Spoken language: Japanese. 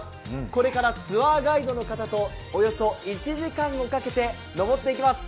これからツアーガイドの方とおよそ１時間をかけて登ってきます